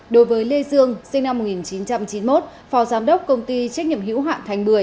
đối với lê dương sinh năm một nghìn chín trăm chín mươi một phó giám đốc công ty trách nhiệm hữu hạn thành bưởi